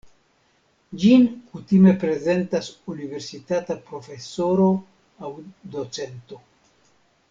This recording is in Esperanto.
Ĝin kutime prezentas universitata profesoro aŭ docento.